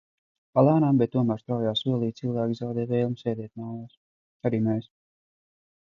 Palēnām, bet tomēr straujā solī, cilvēki zaudē vēlmi sēdēt mājās. Arī mēs.